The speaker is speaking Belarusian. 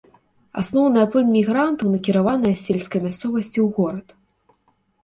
Асноўная плынь мігрантаў накіраваная з сельскай мясцовасці ў горад.